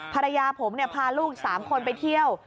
ภรรยาผมพาลูก๓คนไปเที่ยว